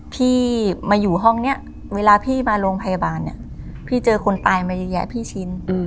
พี่มาอยู่ห้องนี้เวลาพี่มาโรงพยาบาลเนี่ยพี่เจอคนตายมาเยอะแยะพี่ชิน